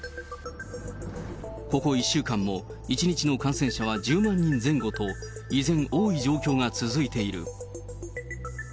ここ１週間も１日の感染者は１０万人前後と依然多い状況が続いている。